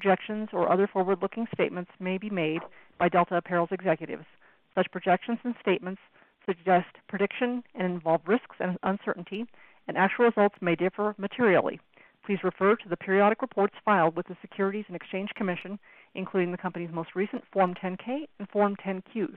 Projections or other forward-looking statements may be made by Delta Apparel's executives. Such projections and statements suggest prediction and involve risks and uncertainty, and actual results may differ materially. Please refer to the periodic reports filed with the Securities and Exchange Commission, including the company's most recent Form 10-K and Form 10-Qs.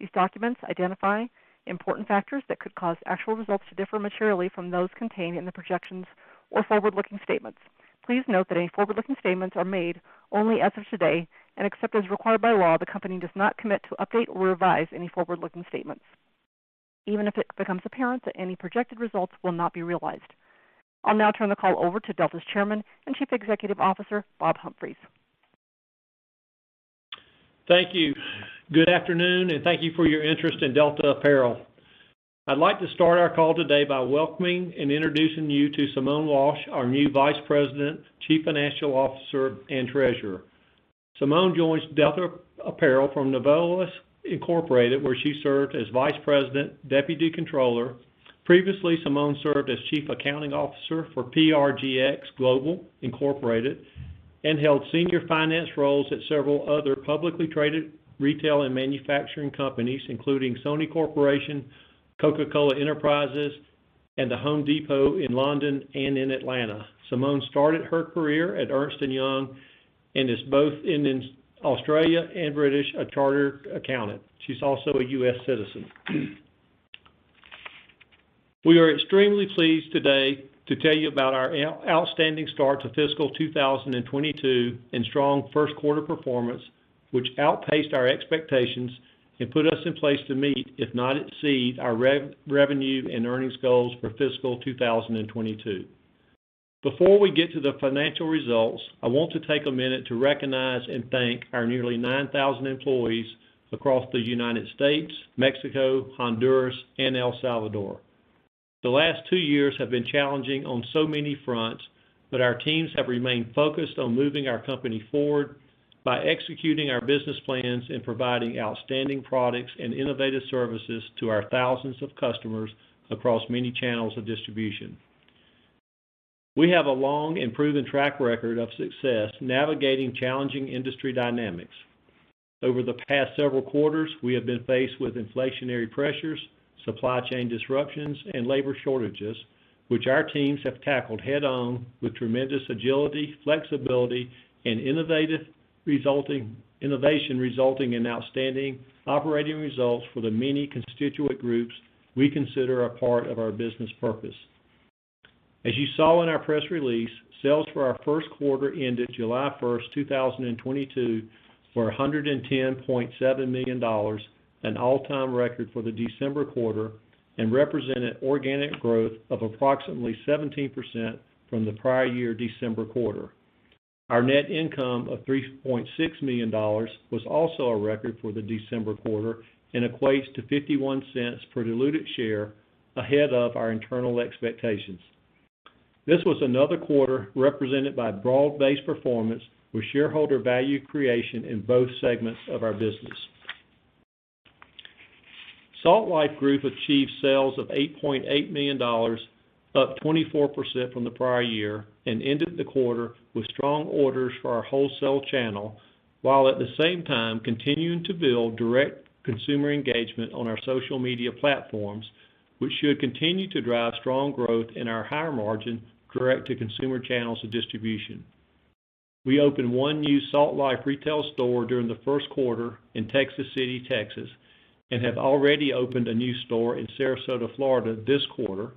These documents identify important factors that could cause actual results to differ materially from those contained in the projections or forward-looking statements. Please note that any forward-looking statements are made only as of today, and except as required by law, the company does not commit to update or revise any forward-looking statements, even if it becomes apparent that any projected results will not be realized. I'll now turn the call over to Delta's Chairman and Chief Executive Officer, Bob Humphreys. Thank you. Good afternoon, and thank you for your interest in Delta Apparel. I'd like to start our call today by welcoming and introducing you to Simone Walsh, our new Vice President, Chief Financial Officer, and Treasurer. Simone joins Delta Apparel from Novelis Inc, where she served as Vice President, Deputy Controller. Previously, Simone served as Chief Accounting Officer for PRGX Global, Inc, and held senior finance roles at several other publicly traded retail and manufacturing companies, including Sony Corporation, Coca-Cola Enterprises, and The Home Depot in London and in Atlanta. Simone started her career at Ernst & Young and is both Australian and British, a chartered accountant. She's also a U.S. citizen. We are extremely pleased today to tell you about our outstanding start to fiscal 2022, and strong first quarter performance, which outpaced our expectations and put us in place to meet, if not exceed, our revenue and earnings goals for fiscal 2022. Before we get to the financial results, I want to take a minute to recognize and thank our nearly 9,000 employees across the United States, Mexico, Honduras, and El Salvador. The last two years have been challenging on so many fronts, but our teams have remained focused on moving our company forward by executing our business plans and providing outstanding products and innovative services to our thousands of customers across many channels of distribution. We have a long and proven track record of success navigating challenging industry dynamics. Over the past several quarters, we have been faced with inflationary pressures, supply chain disruptions, and labor shortages, which our teams have tackled head on with tremendous agility, flexibility and innovation resulting in outstanding operating results for the many constituent groups we consider a part of our business purpose. As you saw in our press release, sales for our first quarter ended July 1, 2022, were $110.7 million, an all-time record for the December quarter, and represented organic growth of approximately 17% from the prior year December quarter. Our net income of $3.6 million was also a record for the December quarter and equates to $0.51 per diluted share ahead of our internal expectations. This was another quarter represented by broad-based performance with shareholder value creation in both segments of our business. Salt Life Group achieved sales of $8.8 million, up 24% from the prior year, and ended the quarter with strong orders for our wholesale channel, while at the same time continuing to build direct consumer engagement on our social media platforms, which should continue to drive strong growth in our higher margin, direct-to-consumer channels of distribution. We opened one new Salt Life retail store during the first quarter in Texas City, Texas, and have already opened a new store in Sarasota, Florida, this quarter,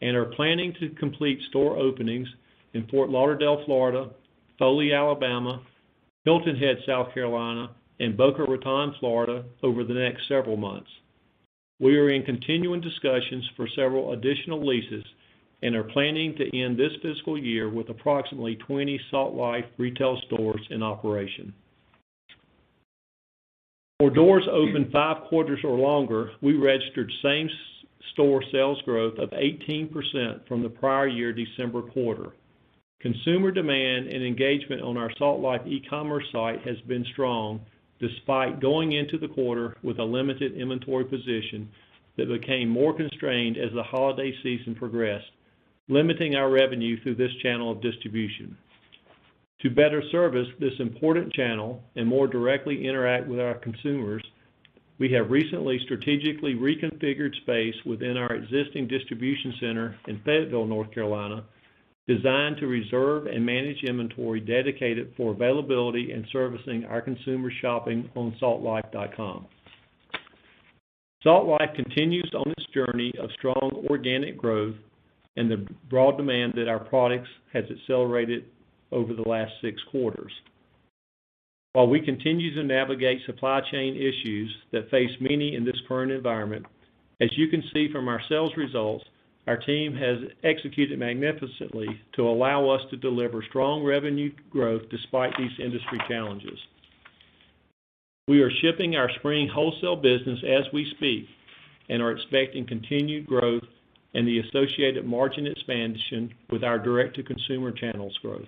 and are planning to complete store openings in Fort Lauderdale, Florida, Foley, Alabama, Hilton Head, South Carolina, and Boca Raton, Florida, over the next several months. We are in continuing discussions for several additional leases and are planning to end this fiscal year with approximately 20 Salt Life retail stores in operation. For stores open five quarters or longer, we registered same-store sales growth of 18% from the prior year December quarter. Consumer demand and engagement on our Salt Life e-commerce site has been strong despite going into the quarter with a limited inventory position that became more constrained as the holiday season progressed, limiting our revenue through this channel of distribution. To better service this important channel and more directly interact with our consumers, we have recently strategically reconfigured space within our existing distribution center in Fayetteville, North Carolina, designed to reserve and manage inventory dedicated for availability and servicing our consumers shopping on saltlife.com. Salt Life continues on its journey of strong organic growth and the broad demand that our products has accelerated over the last six quarters. While we continue to navigate supply chain issues that face many in this current environment, as you can see from our sales results, our team has executed magnificently to allow us to deliver strong revenue growth despite these industry challenges. We are shipping our spring wholesale business as we speak and are expecting continued growth and the associated margin expansion with our direct-to-consumer channels growth.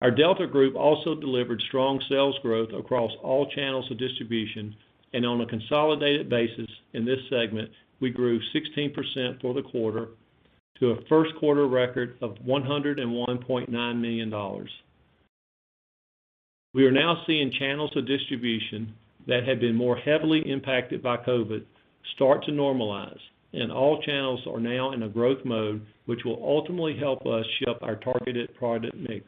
Our Delta Group also delivered strong sales growth across all channels of distribution and on a consolidated basis in this segment, we grew 16% for the quarter to a first quarter record of $101.9 million. We are now seeing channels of distribution that have been more heavily impacted by COVID start to normalize, and all channels are now in a growth mode, which will ultimately help us ship our targeted product mix.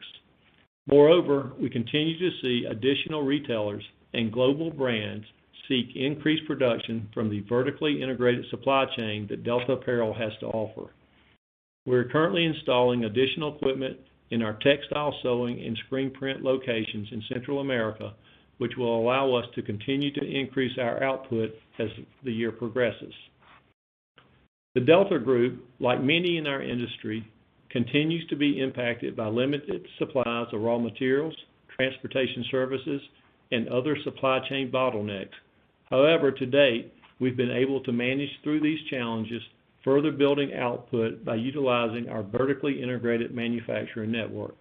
Moreover, we continue to see additional retailers and global brands seek increased production from the vertically integrated supply chain that Delta Apparel has to offer. We're currently installing additional equipment in our textile sewing and screen print locations in Central America, which will allow us to continue to increase our output as the year progresses. The Delta Group, like many in our industry, continues to be impacted by limited supplies of raw materials, transportation services, and other supply chain bottlenecks. However, to date, we've been able to manage through these challenges, further building output by utilizing our vertically integrated manufacturing network.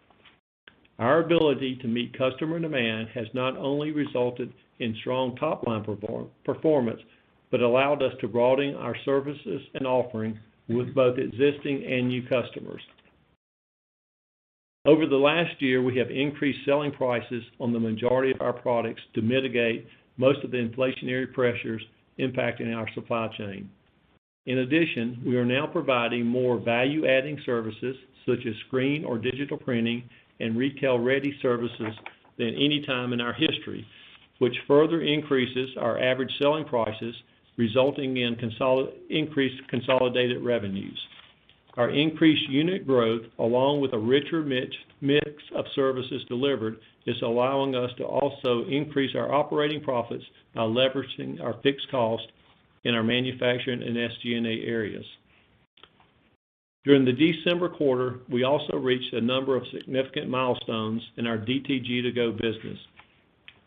Our ability to meet customer demand has not only resulted in strong top-line performance, but allowed us to broaden our services and offering with both existing and new customers. Over the last year, we have increased selling prices on the majority of our products to mitigate most of the inflationary pressures impacting our supply chain. In addition, we are now providing more value-adding services such as screen or digital printing and retail ready services than any time in our history, which further increases our average selling prices, resulting in increased consolidated revenues. Our increased unit growth, along with a richer mix of services delivered, is allowing us to also increase our operating profits by leveraging our fixed cost in our manufacturing and SG&A areas. During the December quarter, we also reached a number of significant milestones in our DTG2Go business.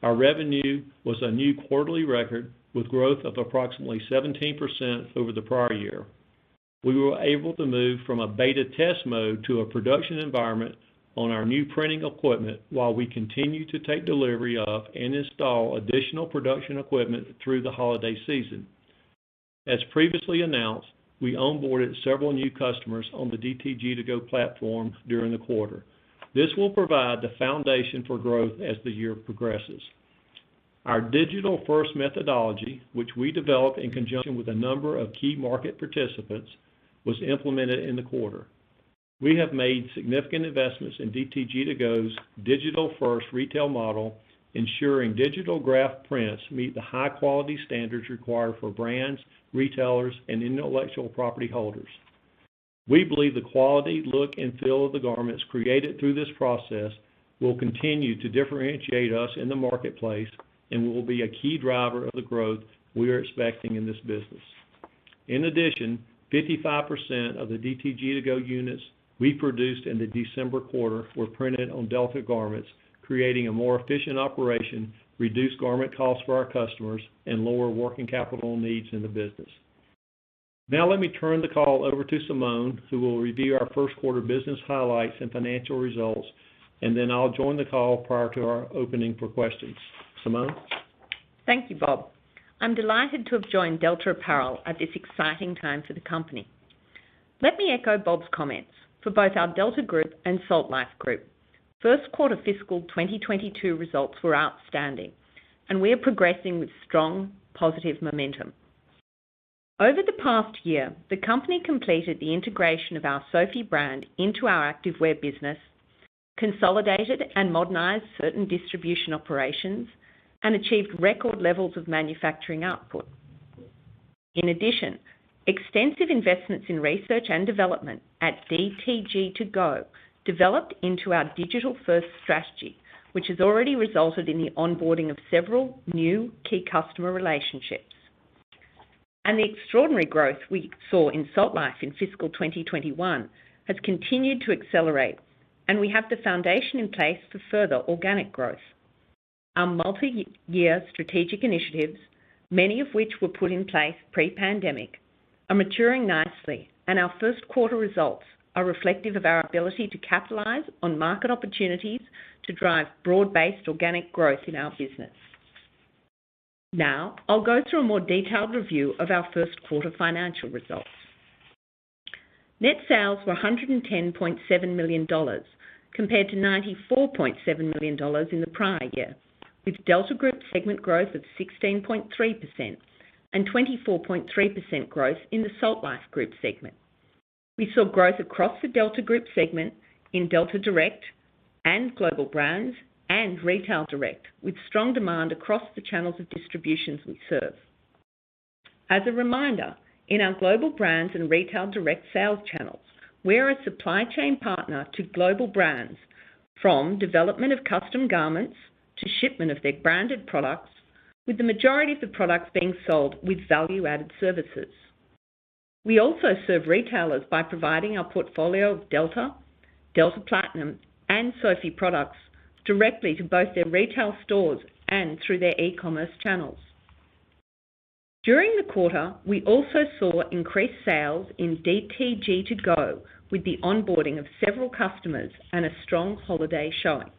Our revenue was a new quarterly record with growth of approximately 17% over the prior year. We were able to move from a beta test mode to a production environment on our new printing equipment while we continued to take delivery of and install additional production equipment through the holiday season. As previously announced, we onboarded several new customers on the DTG2Go platform during the quarter. This will provide the foundation for growth as the year progresses. Our digital first methodology, which we developed in conjunction with a number of key market participants, was implemented in the quarter. We have made significant investments in DTG2Go's digital first retail model, ensuring digital graphic prints meet the high quality standards required for brands, retailers, and intellectual property holders. We believe the quality, look, and feel of the garments created through this process will continue to differentiate us in the marketplace and will be a key driver of the growth we are expecting in this business. In addition, 55% of the DTG2Go units we produced in the December quarter were printed on Delta garments, creating a more efficient operation, reduced garment costs for our customers, and lower working capital needs in the business. Now let me turn the call over to Simone, who will review our first quarter business highlights and financial results, and then I'll join the call prior to our opening for questions. Simone? Thank you, Bob. I'm delighted to have joined Delta Apparel at this exciting time for the company. Let me echo Bob's comments for both our Delta Group and Salt Life Group. First quarter fiscal 2022 results were outstanding and we are progressing with strong positive momentum. Over the past year, the company completed the integration of our Soffe brand into our activewear business, consolidated and modernized certain distribution operations, and achieved record levels of manufacturing output. In addition, extensive investments in research and development at DTG2Go developed into our digital first strategy, which has already resulted in the onboarding of several new key customer relationships. The extraordinary growth we saw in Salt Life in fiscal 2021 has continued to accelerate, and we have the foundation in place for further organic growth. Our multi-year strategic initiatives, many of which were put in place pre-pandemic, are maturing nicely, and our first quarter results are reflective of our ability to capitalize on market opportunities to drive broad-based organic growth in our business. Now I'll go through a more detailed review of our first quarter financial results. Net sales were $110.7 million compared to $94.7 million in the prior year, with Delta Group segment growth of 16.3% and 24.3% growth in the Salt Life Group segment. We saw growth across the Delta Group segment in Delta Direct and Global Brands and Retail Direct, with strong demand across the channels of distribution we serve. As a reminder, in our Global Brands and Retail Direct sales channels, we're a supply chain partner to global brands from development of custom garments to shipment of their branded products, with the majority of the products being sold with value-added services. We also serve retailers by providing our portfolio of Delta Platinum, and Soffe products directly to both their retail stores and through their e-commerce channels. During the quarter, we also saw increased sales in DTG2Go with the onboarding of several customers and a strong holiday showing.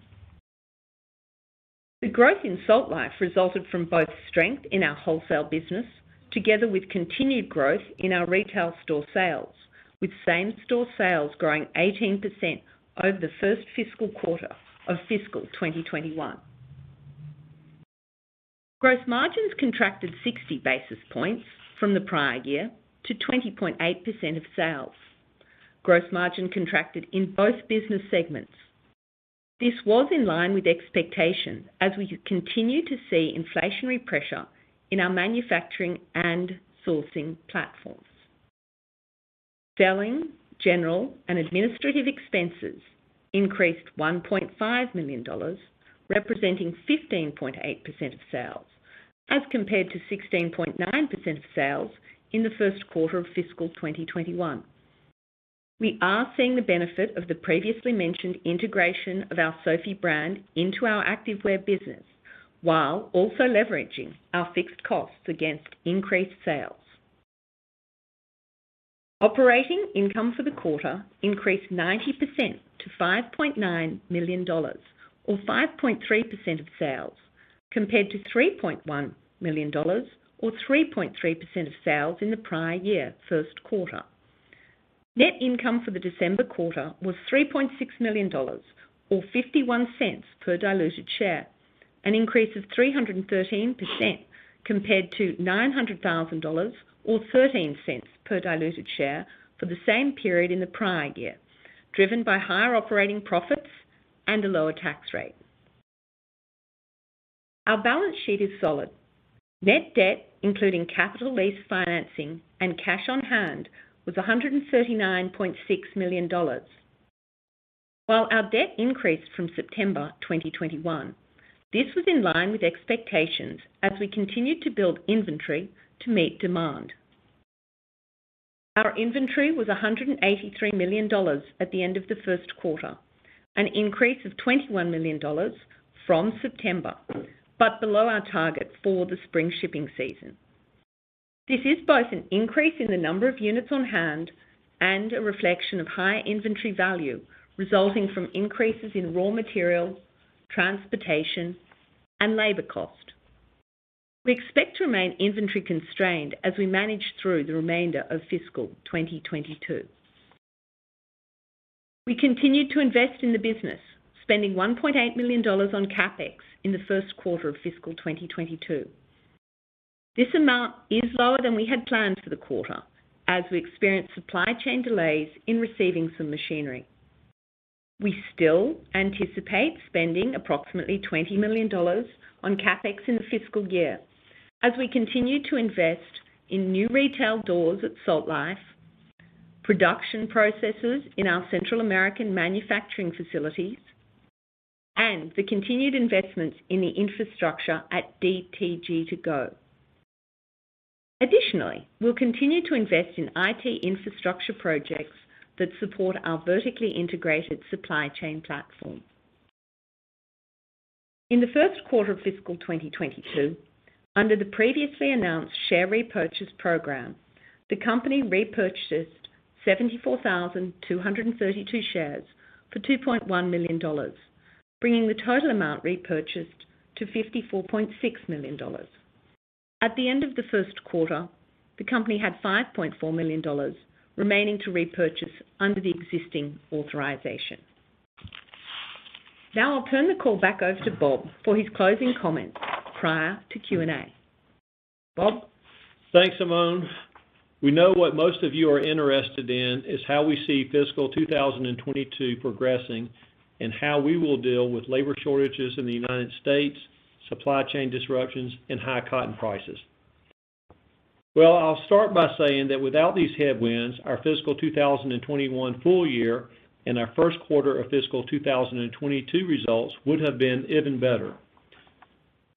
The growth in Salt Life resulted from both strength in our wholesale business together with continued growth in our retail store sales, with same-store sales growing 18% over the first fiscal quarter of fiscal 2021. Gross margins contracted 60 basis points from the prior year to 20.8% of sales. Gross margin contracted in both business segments. This was in line with expectation as we continue to see inflationary pressure in our manufacturing and sourcing platforms. Selling, general, and administrative expenses increased $1.5 million, representing 15.8% of sales as compared to 16.9% of sales in the first quarter of fiscal 2021. We are seeing the benefit of the previously mentioned integration of our Soffe brand into our activewear business, while also leveraging our fixed costs against increased sales. Operating income for the quarter increased 90% to $5.9 million or 5.3% of sales, compared to $3.1 million or 3.3% of sales in the prior year first quarter. Net income for the December quarter was $3.6 million or $0.51 per diluted share, an increase of 313% compared to $900,000 or $0.13 per diluted share for the same period in the prior year, driven by higher operating profits and a lower tax rate. Our balance sheet is solid. Net debt, including capital lease financing and cash on hand, was $139.6 million. While our debt increased from September 2021, this was in line with expectations as we continued to build inventory to meet demand. Our inventory was $183 million at the end of the first quarter, an increase of $21 million from September, but below our target for the spring shipping season. This is both an increase in the number of units on hand and a reflection of higher inventory value resulting from increases in raw materials, transportation, and labor cost. We expect to remain inventory constrained as we manage through the remainder of fiscal 2022. We continued to invest in the business, spending $1.8 million on CapEx in the first quarter of fiscal 2022. This amount is lower than we had planned for the quarter as we experienced supply chain delays in receiving some machinery. We still anticipate spending approximately $20 million on CapEx in the fiscal year as we continue to invest in new retail doors at Salt Life, production processes in our Central American manufacturing facilities, and the continued investments in the infrastructure at DTG2Go. Additionally, we'll continue to invest in IT infrastructure projects that support our vertically integrated supply chain platform. In the first quarter of fiscal 2022, under the previously announced share repurchase program, the company repurchased 74,232 shares for $2.1 million, bringing the total amount repurchased to $54.6 million. At the end of the first quarter, the company had $5.4 million remaining to repurchase under the existing authorization. Now I'll turn the call back over to Bob for his closing comments prior to Q&A. Bob? Thanks, Simone. We know what most of you are interested in is how we see fiscal 2022 progressing and how we will deal with labor shortages in the United States, supply chain disruptions, and high cotton prices. Well, I'll start by saying that without these headwinds, our fiscal 2021 full year and our first quarter of fiscal 2022 results would have been even better.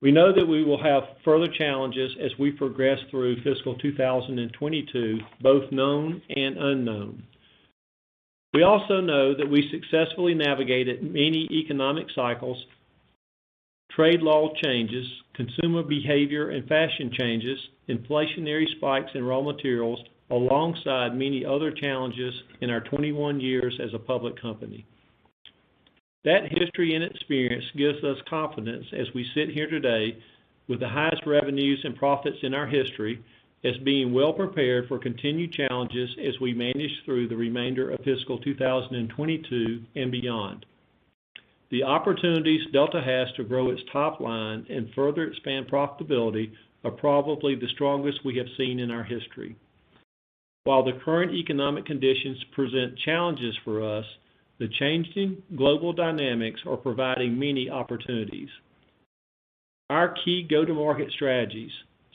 We know that we will have further challenges as we progress through fiscal 2022, both known and unknown. We also know that we successfully navigated many economic cycles, trade law changes, consumer behavior and fashion changes, inflationary spikes in raw materials, alongside many other challenges in our 21 years as a public company. That history and experience gives us confidence as we sit here today with the highest revenues and profits in our history as being well prepared for continued challenges as we manage through the remainder of fiscal 2022 and beyond. The opportunities Delta has to grow its top line and further expand profitability are probably the strongest we have seen in our history. While the current economic conditions present challenges for us, the changing global dynamics are providing many opportunities. Our key go-to-market strategies,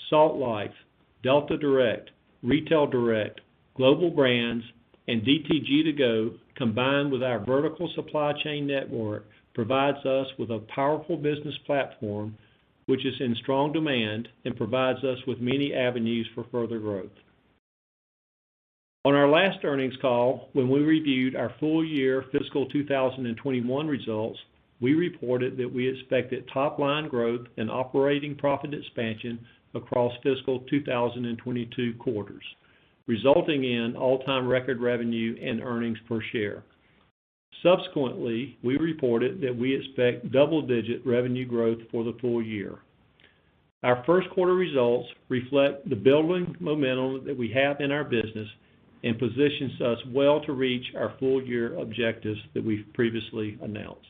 Salt Life, Delta Direct, Retail Direct, Global Brands, and DTG2Go, combined with our vertical supply chain network, provides us with a powerful business platform which is in strong demand and provides us with many avenues for further growth. On our last earnings call, when we reviewed our full year fiscal 2021 results, we reported that we expected top line growth and operating profit expansion across fiscal 2022 quarters, resulting in all-time record revenue and earnings per share. Subsequently, we reported that we expect double-digit revenue growth for the full year. Our first quarter results reflect the building momentum that we have in our business and positions us well to reach our full year objectives that we've previously announced.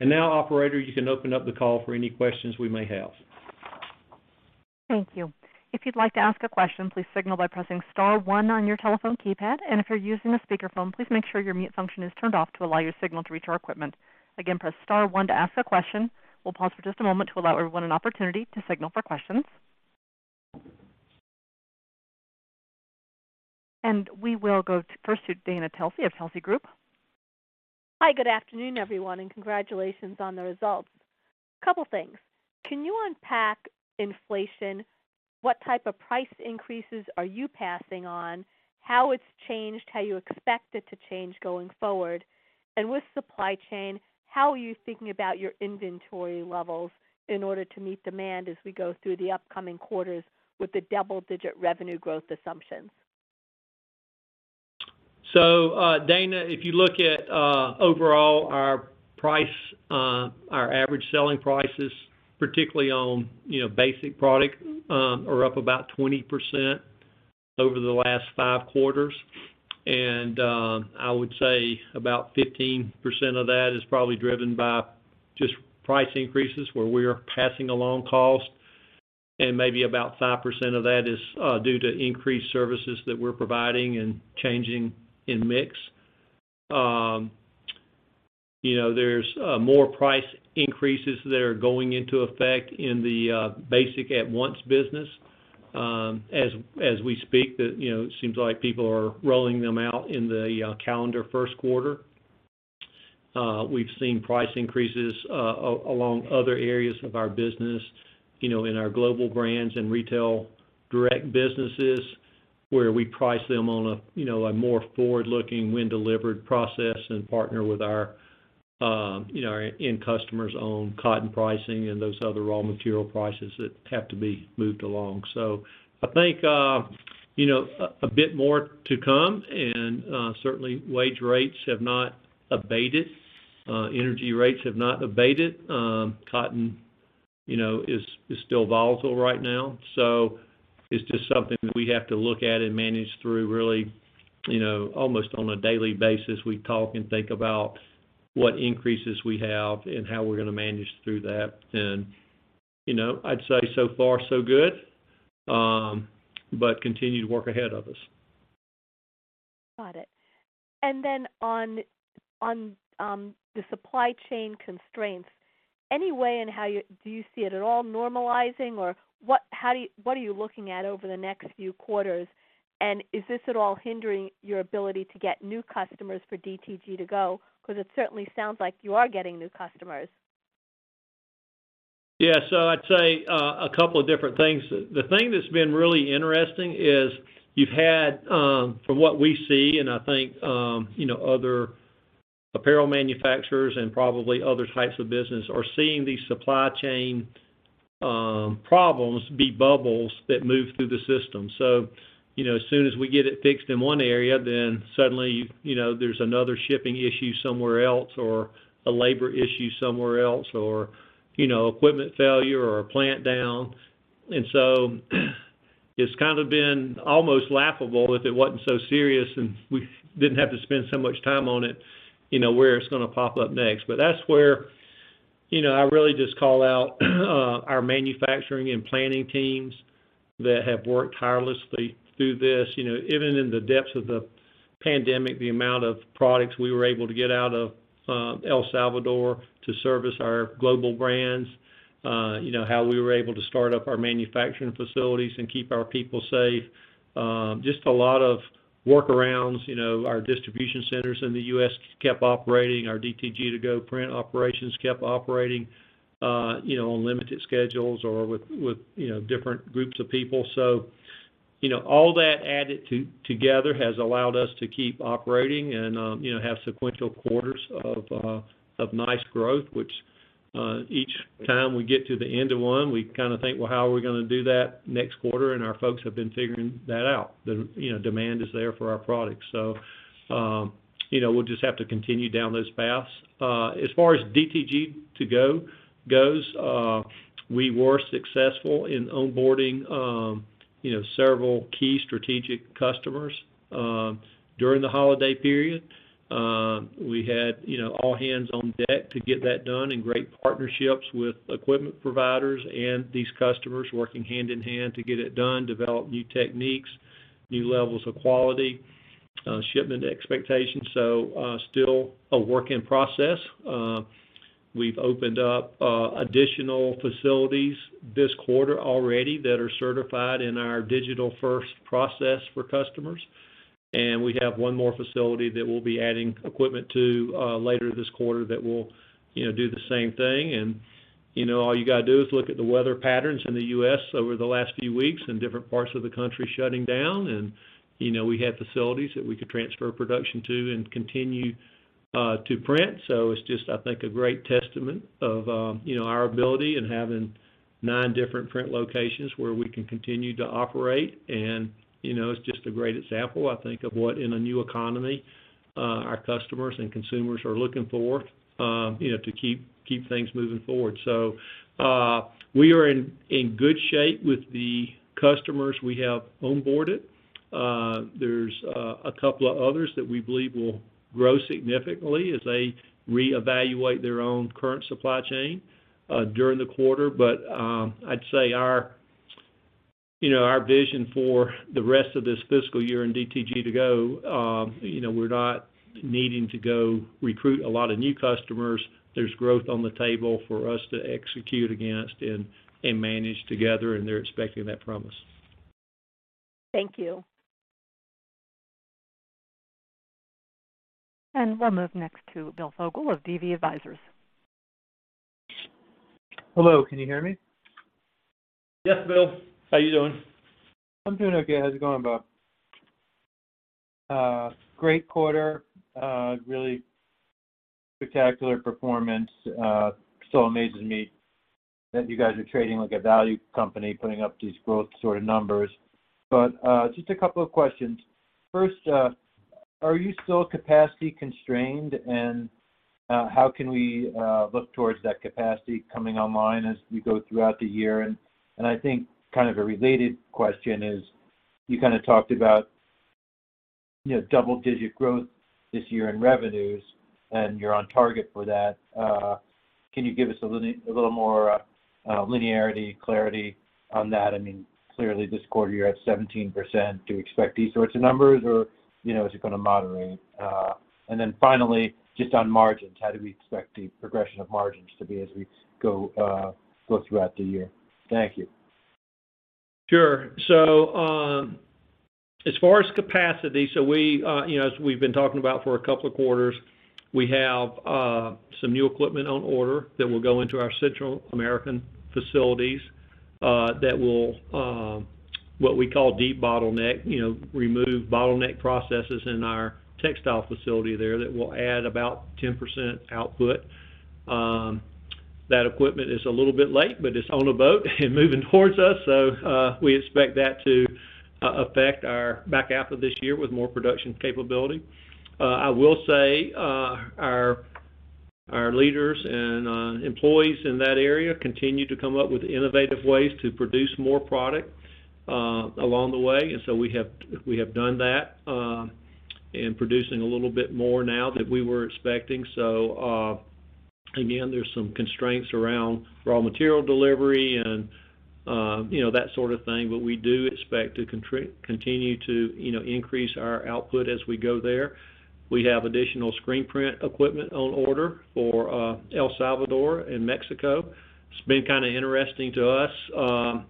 Now operator, you can open up the call for any questions we may have. Thank you. If you'd like to ask a question, please signal by pressing star one on your telephone keypad. If you're using a speakerphone, please make sure your mute function is turned off to allow your signal to reach our equipment. Again, press star one to ask a question. We'll pause for just a moment to allow everyone an opportunity to signal for questions. We will go first to Dana Telsey of Telsey Group. Hi, good afternoon, everyone, and congratulations on the results. Couple things. Can you unpack inflation? What type of price increases are you passing on? How it's changed, how you expect it to change going forward? With supply chain, how are you thinking about your inventory levels in order to meet demand as we go through the upcoming quarters with the double-digit revenue growth assumptions? Dana, if you look at overall our prices, our average selling prices, particularly on, you know, basic products, are up about 20% over the last five quarters. I would say about 15% of that is probably driven by just price increases where we're passing along cost, and maybe about 5% of that is due to increased services that we're providing and changes in mix. You know, there's more price increases that are going into effect in the basic apparel business. As we speak, that you know, it seems like people are rolling them out in the calendar first quarter. We've seen price increases along other areas of our business, you know, in our Global Brands and Retail Direct businesses where we price them on a, you know, a more forward-looking when delivered process and partner with our, you know, end customers on cotton pricing and those other raw material prices that have to be moved along. I think, you know, a bit more to come and, certainly wage rates have not abated, energy rates have not abated. Cotton, you know, is still volatile right now. It's just something that we have to look at and manage through really, you know, almost on a daily basis. We talk and think about what increases we have and how we're gonna manage through that. You know, I'd say so far so good, but continue to work ahead of us. Got it. On the supply chain constraints, in any way, how do you see it at all normalizing or what are you looking at over the next few quarters? Is this at all hindering your ability to get new customers for DTG2Go? Because it certainly sounds like you are getting new customers. Yeah. I'd say a couple of different things. The thing that's been really interesting is you've had, from what we see, and I think, you know, other apparel manufacturers and probably other types of business are seeing these supply chain problems be bubbles that move through the system. You know, as soon as we get it fixed in one area, then suddenly, you know, there's another shipping issue somewhere else or a labor issue somewhere else or, you know, equipment failure or a plant down. It's kind of been almost laughable if it wasn't so serious, and we didn't have to spend so much time on it, you know, where it's gonna pop up next. That's where, you know, I really just call out our manufacturing and planning teams that have worked tirelessly through this. You know, even in the depths of the pandemic, the amount of products we were able to get out of El Salvador to service our global brands, you know, how we were able to start up our manufacturing facilities and keep our people safe. Just a lot of workarounds. You know, our distribution centers in the U.S. kept operating, our DTG2Go print operations kept operating, you know, on limited schedules or with you know different groups of people. All that added together has allowed us to keep operating and, you know, have sequential quarters of nice growth, which each time we get to the end of one, we kinda think, "Well, how are we gonna do that next quarter?" Our folks have been figuring that out. The, you know, demand is there for our products. You know, we'll just have to continue down those paths. As far as DTG2Go goes, we were successful in onboarding, you know, several key strategic customers, during the holiday period. We had, you know, all hands on deck to get that done and great partnerships with equipment providers and these customers working hand in hand to get it done, develop new techniques, new levels of quality, shipment expectations. Still a work in process. We've opened up additional facilities this quarter already that are certified in our digital first process for customers. We have one more facility that we'll be adding equipment to, later this quarter that will, you know, do the same thing. You know, all you got to do is look at the weather patterns in the U.S. over the last few weeks and different parts of the country shutting down. You know, we have facilities that we could transfer production to and continue to print. It's just, I think, a great testament of you know, our ability in having nine different print locations where we can continue to operate. You know, it's just a great example, I think, of what in a new economy our customers and consumers are looking for you know, to keep things moving forward. We are in good shape with the customers we have onboarded. There's a couple of others that we believe will grow significantly as they reevaluate their own current supply chain during the quarter. I'd say our you know our vision for the rest of this fiscal year in DTG2Go, you know, we're not needing to go recruit a lot of new customers. There's growth on the table for us to execute against and manage together, and they're expecting that promise. Thank you. We'll move next to Bill Fogle of DV Advisors. Hello. Can you hear me? Yes, Bill. How you doing? I'm doing okay. How's it going, Bob? Great quarter. Really spectacular performance. Still amazes me that you guys are trading like a value company, putting up these growth sort of numbers. Just a couple of questions. First, are you still capacity constrained? How can we look towards that capacity coming online as we go throughout the year? I think kind of a related question is, you kind of talked about, you know, double-digit growth this year in revenues, and you're on target for that. Can you give us a little more linearity, clarity on that? I mean, clearly this quarter you're at 17%. Do you expect these sorts of numbers or, you know, is it going to moderate? Finally, just on margins, how do we expect the progression of margins to be as we go throughout the year? Thank you. Sure. As far as capacity, we, you know, as we've been talking about for a couple of quarters, we have some new equipment on order that will go into our Central American facilities, that will, what we call debottleneck, you know, remove bottleneck processes in our textile facility there that will add about 10% output. That equipment is a little bit late, but it's on a boat and moving towards us, we expect that to affect our back half of this year with more production capability. I will say, our leaders and employees in that area continue to come up with innovative ways to produce more product, along the way. We have done that in producing a little bit more now than we were expecting. Again, there's some constraints around raw material delivery and, you know, that sort of thing. We do expect to continue to, you know, increase our output as we go there. We have additional screen print equipment on order for, El Salvador and Mexico. It's been kind of interesting to us.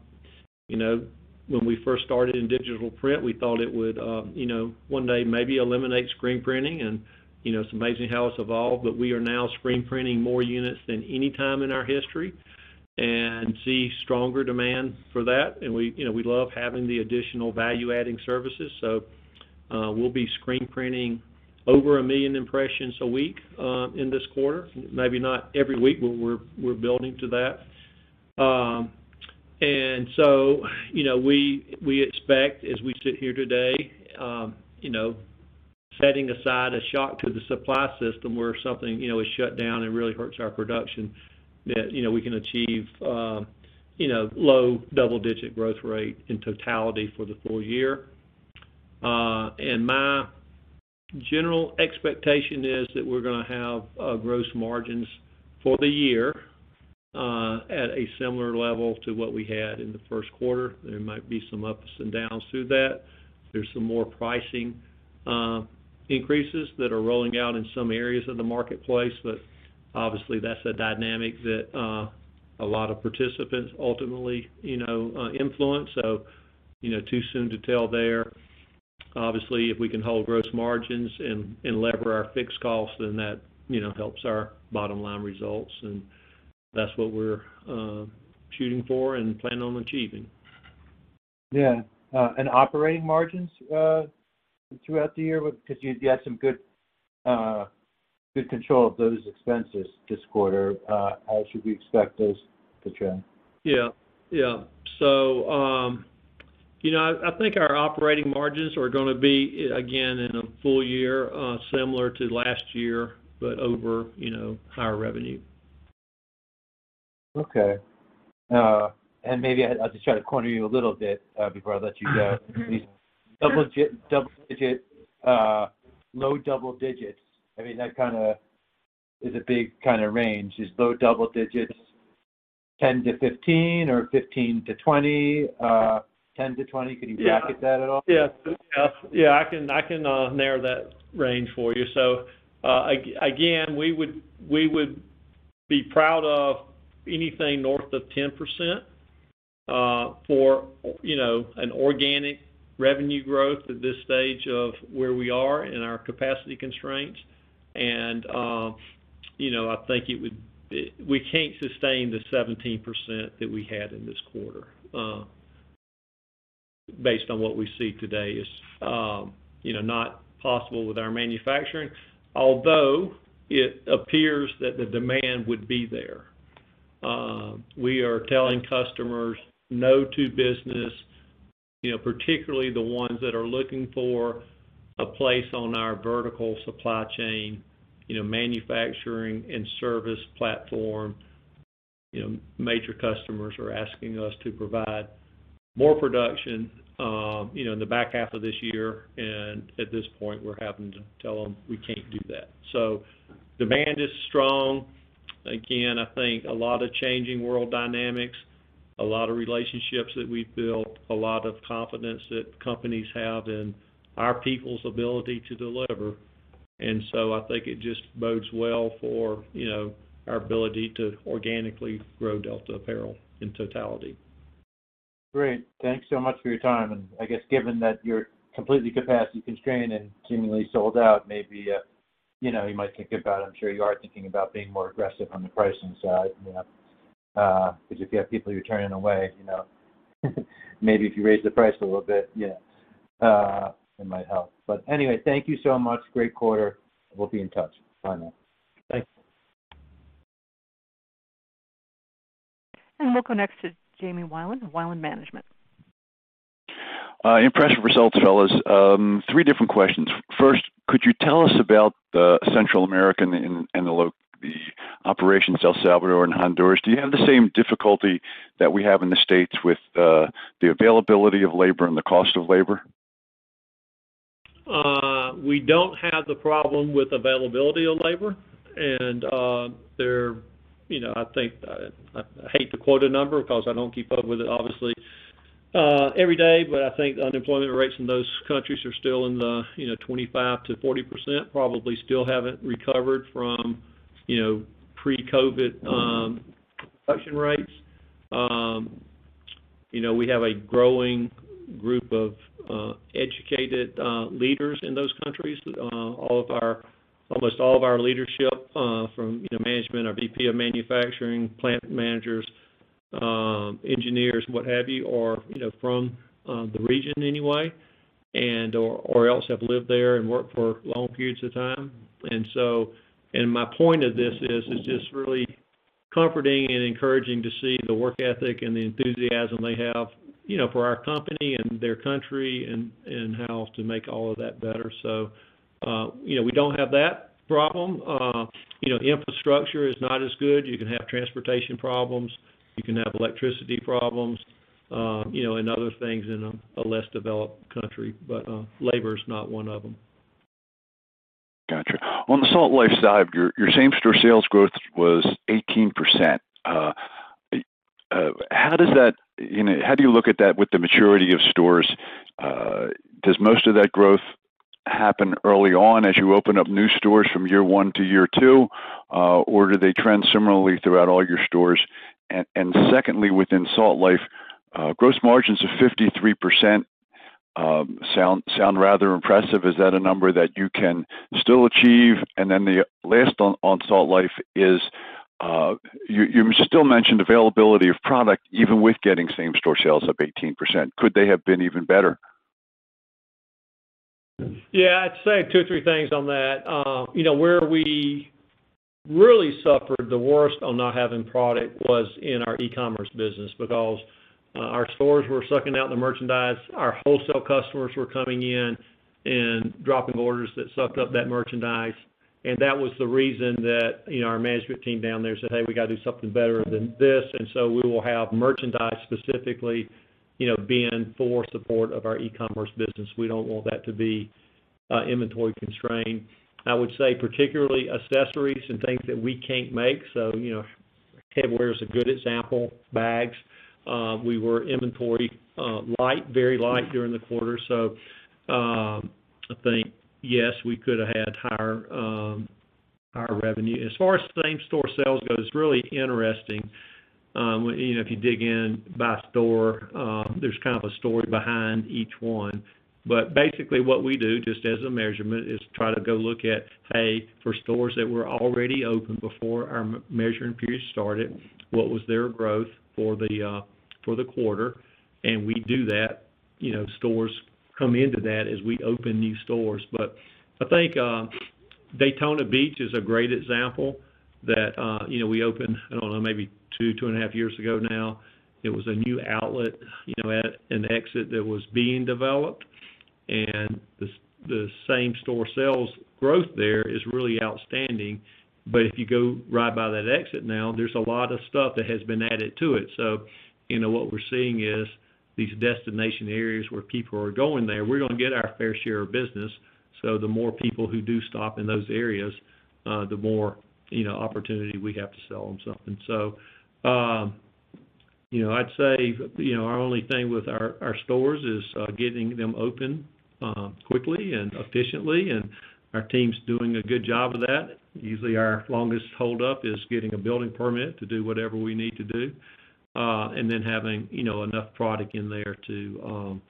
You know, when we first started in digital print, we thought it would, you know, one day maybe eliminate screen printing and, you know, it's amazing how it's evolved, but we are now screen printing more units than any time in our history and see stronger demand for that. We, you know, we love having the additional value-adding services. We'll be screen printing over 1 million impressions a week, in this quarter. Maybe not every week, but we're building to that. You know, we expect as we sit here today, you know, setting aside a shock to the supply system where something, you know, is shut down and really hurts our production, that, you know, we can achieve, you know, low double-digit growth rate in totality for the full year. My general expectation is that we're gonna have gross margins for the year at a similar level to what we had in the first quarter. There might be some ups and downs through that. There's some more pricing increases that are rolling out in some areas of the marketplace, but obviously, that's a dynamic that a lot of participants ultimately, you know, influence. You know, too soon to tell there. Obviously, if we can hold gross margins and leverage our fixed costs, then that, you know, helps our bottom line results, and that's what we're shooting for and planning on achieving. Yeah. Operating margins throughout the year, because you had some good control of those expenses this quarter. How should we expect those to trend? Yeah. You know, I think our operating margins are gonna be, again, in a full year, similar to last year, but over, you know, higher revenue. Okay. Maybe I'll just try to corner you a little bit before I let you go. Mm-hmm. Sure. These double digit low double digits. I mean, that kinda is a big kinda range. Is low double digits 10%-15% or 15%-20%, 10%-20%. Could you bracket that at all? Yeah, I can narrow that range for you. Again, we would be proud of anything north of 10%, you know, for an organic revenue growth at this stage of where we are in our capacity constraints. We can't sustain the 17% that we had in this quarter, based on what we see today is not possible with our manufacturing. Although it appears that the demand would be there. We are telling customers no to business, you know, particularly the ones that are looking for a place on our vertical supply chain, you know, manufacturing and service platform. You know, major customers are asking us to provide more production, you know, in the back half of this year. At this point, we're having to tell them we can't do that. Demand is strong. Again, I think a lot of changing world dynamics, a lot of relationships that we've built, a lot of confidence that companies have in our people's ability to deliver. I think it just bodes well for, you know, our ability to organically grow Delta Apparel in totality. Great. Thanks so much for your time. I guess given that you're completely capacity constrained and seemingly sold out, maybe, you know, you might think about, I'm sure you are thinking about being more aggressive on the pricing side. You know, because if you have people you're turning away, you know, maybe if you raise the price a little bit, you know, it might help. Anyway, thank you so much. Great quarter. We'll be in touch. Bye now. Thanks. We'll go next to Jimmy Wilen of Wilen Management. Impressive results, fellas. Three different questions. First, could you tell us about the Central American operations, El Salvador and Honduras? Do you have the same difficulty that we have in the States with the availability of labor and the cost of labor? We don't have the problem with availability of labor. There, you know, I think I hate to quote a number because I don't keep up with it obviously every day, but I think unemployment rates in those countries are still in the you know, 25%-40%, probably still haven't recovered from you know, pre-COVID production rates. You know, we have a growing group of educated leaders in those countries. Almost all of our leadership from you know, management, our VP of manufacturing, plant managers, engineers, what have you, are you know, from the region anyway, and or else have lived there and worked for long periods of time. My point of this is it's just really comforting and encouraging to see the work ethic and the enthusiasm they have, you know, for our company and their country and how to make all of that better. You know, we don't have that problem. You know, the infrastructure is not as good. You can have transportation problems, you can have electricity problems, you know, and other things in a less developed country, but labor is not one of them. Got you. On the Salt Life side, your same-store sales growth was 18%. How does that, you know, how do you look at that with the maturity of stores? Does most of that growth happen early on as you open up new stores from year one to year two? Or do they trend similarly throughout all your stores? Secondly, within Salt Life, gross margins of 53% sound rather impressive. Is that a number that you can still achieve? Then the last on Salt Life is, you still mentioned availability of product even with getting same-store sales up 18%. Could they have been even better? Yeah. I'd say two, three things on that. You know, where we really suffered the worst on not having product was in our e-commerce business because our stores were sucking out the merchandise. Our wholesale customers were coming in and dropping orders that sucked up that merchandise. That was the reason that, you know, our management team down there said, "Hey, we got to do something better than this." We will have merchandise specifically, you know, being for support of our e-commerce business. We don't want that to be inventory constrained. I would say particularly accessories and things that we can't make, so, you know, headwear is a good example, bags. We were inventory light, very light during the quarter. I think, yes, we could have had higher revenue. As far as same-store sales goes, really interesting, you know, if you dig in by store, there's kind of a story behind each one. Basically what we do just as a measurement is try to go look at, hey, for stores that were already open before our measuring period started, what was their growth for the quarter? We do that. You know, stores come into that as we open new stores. I think Daytona Beach is a great example that, you know, we opened, I don't know, maybe two and a half years ago now. It was a new outlet, you know, at an exit that was being developed. The same-store sales growth there is really outstanding. If you go right by that exit now, there's a lot of stuff that has been added to it. You know, what we're seeing is these destination areas where people are going there, we're going to get our fair share of business. The more people who do stop in those areas, the more, you know, opportunity we have to sell them something. You know, I'd say, you know, our only thing with our stores is getting them open quickly and efficiently, and our team's doing a good job of that. Usually, our longest hold up is getting a building permit to do whatever we need to do. Then having, you know, enough product in there to,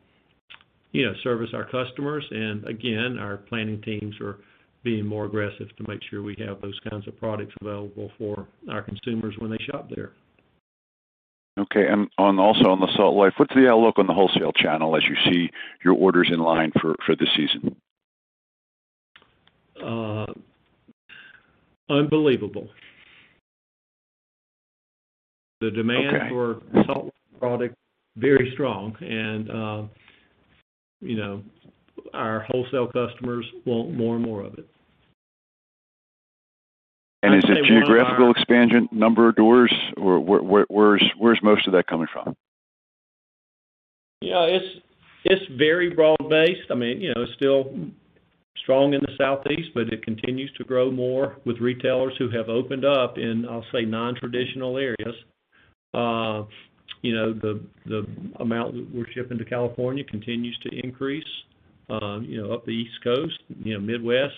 you know, service our customers. Our planning teams are being more aggressive to make sure we have those kinds of products available for our consumers when they shop there. Okay. Also on the Salt Life, what's the outlook on the wholesale channel as you see your orders in line for the season? Unbelievable. Okay. The demand for Salt Life product, very strong and, you know, our wholesale customers want more and more of it. I'd say one of our- Is it geographical expansion, number of doors, or where's most of that coming from? Yeah, it's very broad-based. I mean, you know, still strong in the Southeast, but it continues to grow more with retailers who have opened up in, I'll say, nontraditional areas. You know, the amount that we're shipping to California continues to increase, you know, up the East Coast, you know, Midwest.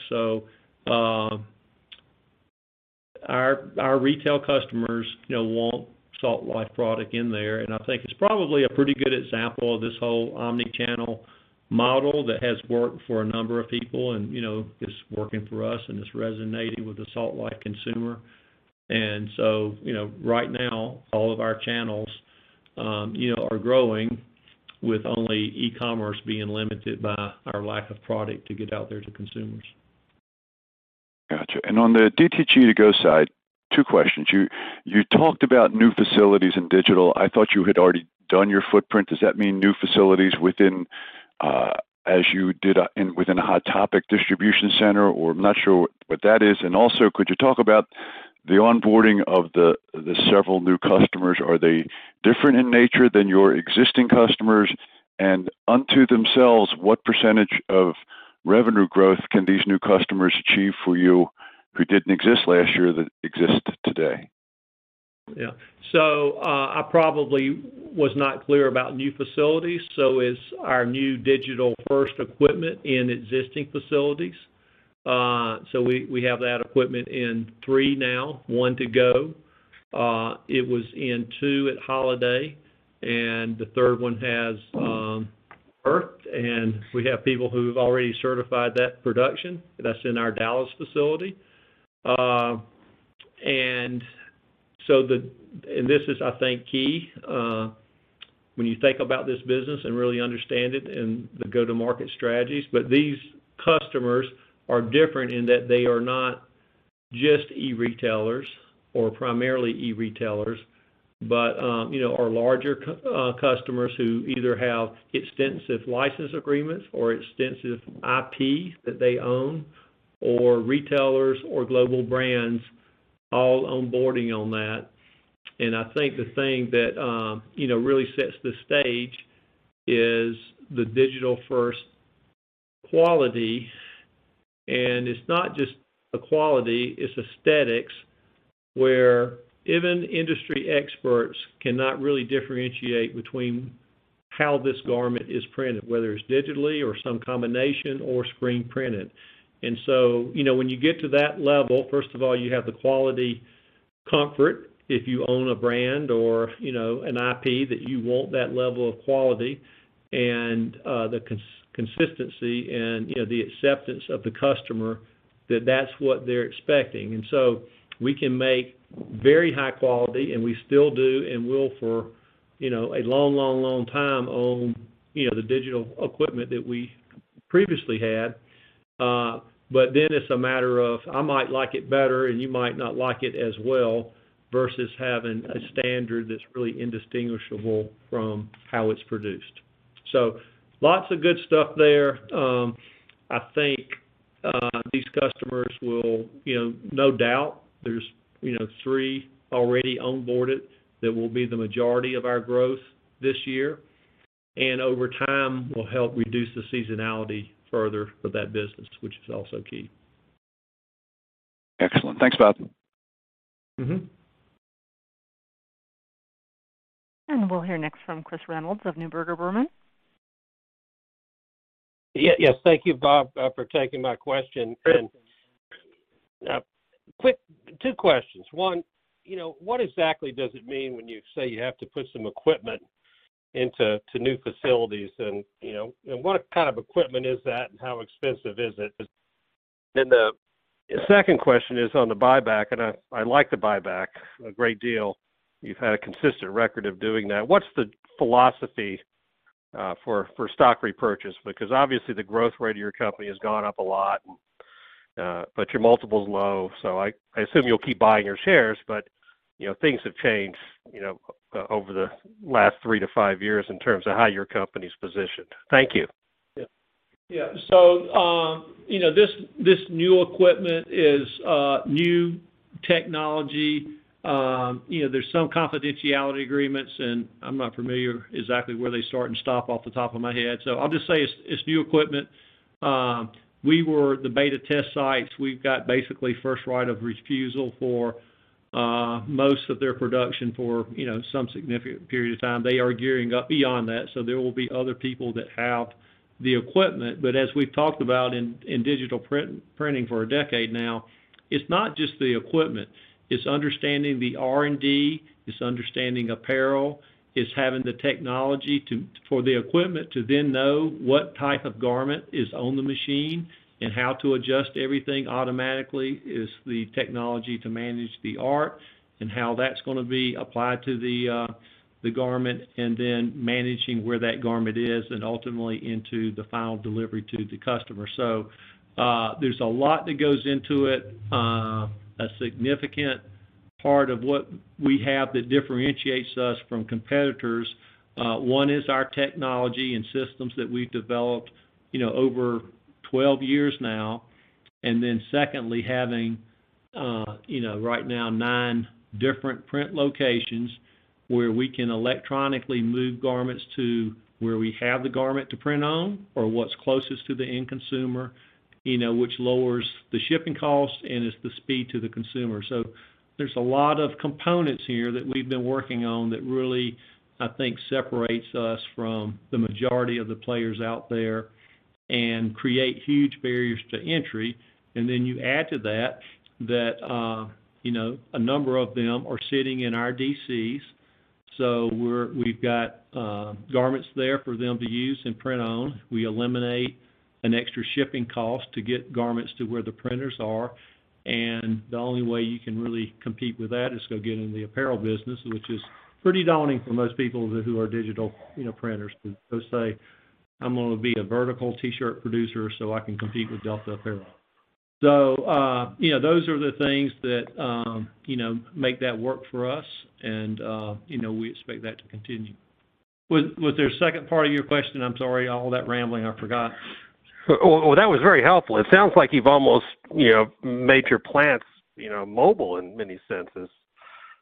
Our retail customers, you know, want Salt Life product in there. I think it's probably a pretty good example of this whole omni-channel model that has worked for a number of people and, you know, is working for us, and it's resonating with the Salt Life consumer. You know, right now, all of our channels, you know, are growing with only e-commerce being limited by our lack of product to get out there to consumers. Gotcha. On the DTG2Go side, two questions. You talked about new facilities in digital. I thought you had already done your footprint. Does that mean new facilities within a Hot Topic distribution center, or I'm not sure what that is. Also, could you talk about the onboarding of the several new customers? Are they different in nature than your existing customers? Unto themselves, what percentage of revenue growth can these new customers achieve for you who didn't exist last year that exist today? Yeah. I probably was not clear about new facilities. It is our new digital-first equipment in existing facilities. We have that equipment in 3 now, 1 to go. It was in 2 at holiday, and the third one has birthed, and we have people who've already certified that production. That's in our Dallas facility. This is, I think, key when you think about this business and really understand it and the go-to-market strategies. These customers are different in that they are not just e-retailers or primarily e-retailers, but you know, are larger customers who either have extensive license agreements or extensive IP that they own or retailers or global brands all onboarding on that. I think the thing that you know, really sets the stage is the digital-first quality. It's not just a quality, it's aesthetics, where even industry experts cannot really differentiate between how this garment is printed, whether it's digitally or some combination or screen printed. You know, when you get to that level, first of all, you have the quality comfort if you own a brand or, you know, an IP that you want that level of quality and, the consistency and, you know, the acceptance of the customer that that's what they're expecting. We can make very high quality, and we still do and will for, you know, a long, long, long time on, you know, the digital equipment that we previously had. Then it's a matter of, I might like it better, and you might not like it as well versus having a standard that's really indistinguishable from how it's produced. Lots of good stuff there. I think, these customers will, you know, no doubt there's, you know, three already onboarded that will be the majority of our growth this year, and over time will help reduce the seasonality further for that business, which is also key. Excellent. Thanks, Bob. Mm-hmm. We'll hear next from Chris Reynolds of Neuberger Berman. Yes. Thank you, Bob, for taking my question. Quick 2 questions. One, you know, what exactly does it mean when you say you have to put some equipment into new facilities and, you know, what kind of equipment is that and how expensive is it? The second question is on the buyback, and I like the buyback a great deal. You've had a consistent record of doing that. What's the philosophy for stock repurchase? Because obviously the growth rate of your company has gone up a lot and but your multiple is low, so I assume you'll keep buying your shares. You know, things have changed, you know, over the last 3-5 years in terms of how your company's positioned. Thank you. Yeah. Yeah. You know, this new equipment is new technology. You know, there's some confidentiality agreements, and I'm not familiar exactly where they start and stop off the top of my head. I'll just say it's new equipment. We were the beta test sites. We've got basically first right of refusal for most of their production for, you know, some significant period of time. They are gearing up beyond that, so there will be other people that have the equipment. But as we've talked about in digital printing for a decade now, it's not just the equipment, it's understanding the R&D, it's understanding apparel, it's having the technology to, for the equipment to then know what type of garment is on the machine and how to adjust everything automatically. It's the technology to manage the art and how that's gonna be applied to the garment, and then managing where that garment is, and ultimately into the final delivery to the customer. There's a lot that goes into it. A significant part of what we have that differentiates us from competitors, one is our technology and systems that we've developed, you know, over 12 years now. Then secondly, having, you know, right now 9 different print locations where we can electronically move garments to where we have the garment to print on or what's closest to the end consumer, you know, which lowers the shipping cost, and it's the speed to the consumer. There's a lot of components here that we've been working on that really, I think, separates us from the majority of the players out there and create huge barriers to entry. Then you add to that a number of them are sitting in our DCs, so we've got garments there for them to use and print on. We eliminate an extra shipping cost to get garments to where the printers are. The only way you can really compete with that is to get in the apparel business, which is pretty daunting for most people who are digital, you know, printers to say, "I'm gonna be a vertical T-shirt producer so I can compete with Delta Apparel." You know, those are the things that, you know, make that work for us and, you know, we expect that to continue. Was there a second part of your question? I'm sorry, all that rambling, I forgot. Oh, that was very helpful. It sounds like you've almost, you know, made your plants, you know, mobile in many senses.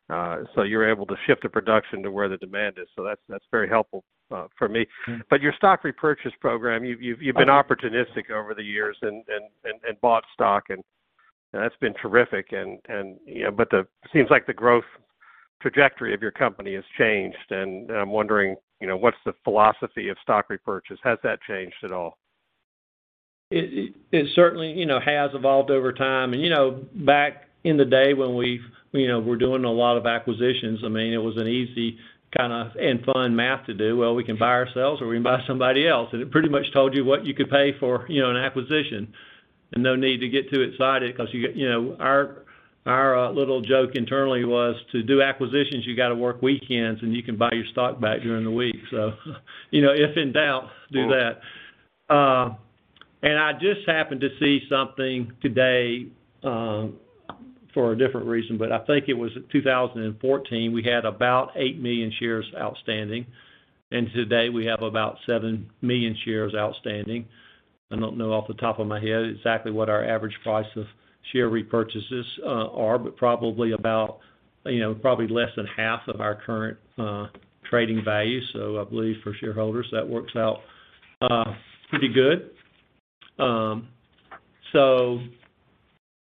You're able to ship the production to where the demand is. That's very helpful for me. Mm-hmm. Your stock repurchase program, you've been opportunistic over the years and bought stock, and that's been terrific, you know. It seems like the growth trajectory of your company has changed. I'm wondering, you know, what's the philosophy of stock repurchase? Has that changed at all? It certainly, you know, has evolved over time. You know, back in the day when we, you know, were doing a lot of acquisitions, I mean, it was an easy kinda, and fun math to do. Well, we can buy ourselves or we can buy somebody else. It pretty much told you what you could pay for, you know, an acquisition and no need to get too excited 'cause you got our little joke internally was to do acquisitions, you gotta work weekends, and you can buy your stock back during the week. You know, if in doubt, do that. I just happened to see something today for a different reason, but I think it was 2014, we had about 8 million shares outstanding, and today we have about 7 million shares outstanding. I don't know off the top of my head exactly what our average price of share repurchases are, but probably about, you know, probably less than half of our current trading value. I believe for shareholders, that works out pretty good.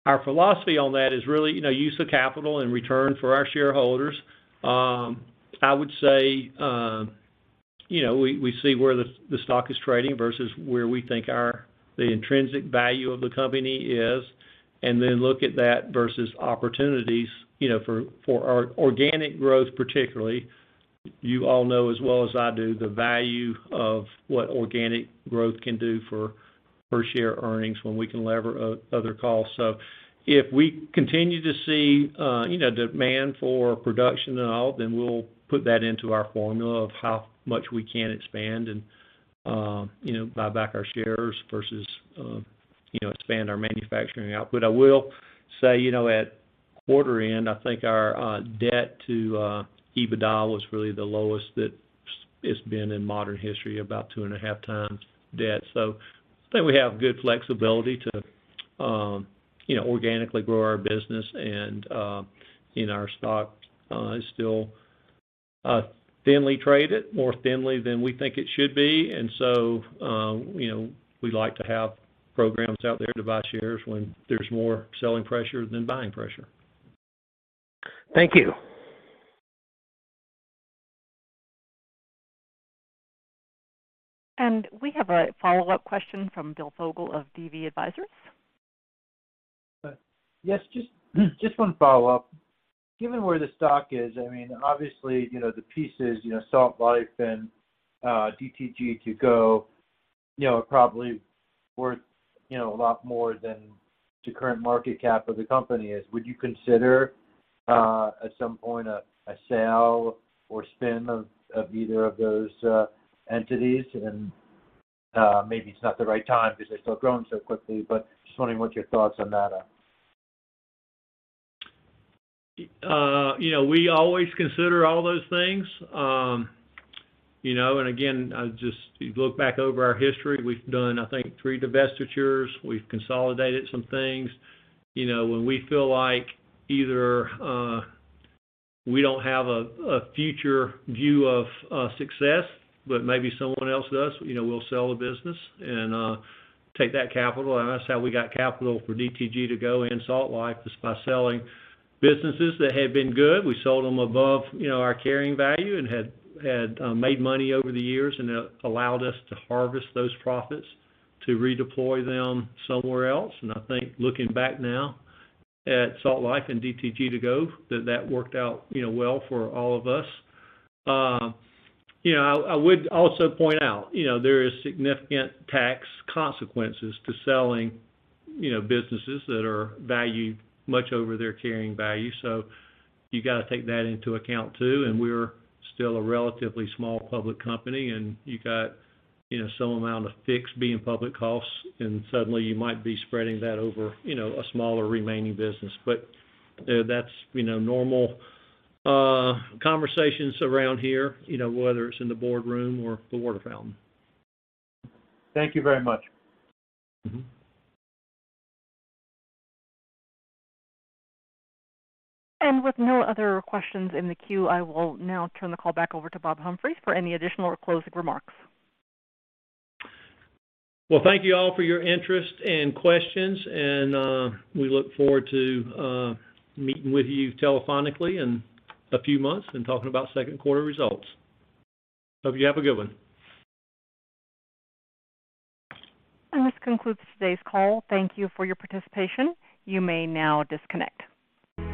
Our philosophy on that is really, you know, use the capital in return for our shareholders. I would say, you know, we see where the stock is trading versus where we think the intrinsic value of the company is, and then look at that versus opportunities, you know, for our organic growth, particularly. You all know as well as I do the value of what organic growth can do for per share earnings when we can leverage other costs. If we continue to see, you know, demand for production and all, then we'll put that into our formula of how much we can expand and, you know, buy back our shares versus, you know, expand our manufacturing output. I will say, you know, at quarter end, I think our debt to EBITDA was really the lowest that it's been in modern history, about two and a half times debt. I think we have good flexibility to, you know, organically grow our business. Our stock is still thinly traded, more thinly than we think it should be. You know, we like to have programs out there to buy shares when there's more selling pressure than buying pressure. Thank you. We have a follow-up question from Bill Fogle of DV Advisors. Yes, just one follow-up. Given where the stock is, I mean, obviously, you know, the pieces, you know, Salt Life and DTG2Go, you know, are probably worth, you know, a lot more than the current market cap of the company is. Would you consider at some point a sale or spin of either of those entities? Maybe it's not the right time because they're still growing so quickly, but just wondering what your thoughts on that are. You know, we always consider all those things. You know, and again, you look back over our history, we've done, I think, three divestitures. We've consolidated some things. You know, when we feel like either we don't have a future view of success, but maybe someone else does, you know, we'll sell the business and take that capital. That's how we got capital for DTG2Go and Salt Life is by selling businesses that had been good. We sold them above, you know, our carrying value and had made money over the years, and it allowed us to harvest those profits to redeploy them somewhere else. I think looking back now at Salt Life and DTG2Go, that worked out, you know, well for all of us. I would also point out, you know, there is significant tax consequences to selling, you know, businesses that are valued much over their carrying value. You gotta take that into account, too. We're still a relatively small public company, and you got, you know, some amount of fixed being public costs, and suddenly you might be spreading that over, you know, a smaller remaining business. You know, that's, you know, normal conversations around here, you know, whether it's in the boardroom or the water fountain. Thank you very much. Mm-hmm. With no other questions in the queue, I will now turn the call back over to Bob Humphreys for any additional or closing remarks. Well, thank you all for your interest and questions, and we look forward to meeting with you telephonically in a few months and talking about second quarter results. Hope you have a good one. This concludes today's call. Thank you for your participation. You may now disconnect.